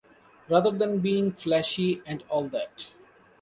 Rather than being flashy and all that.